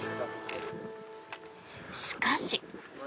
しかし。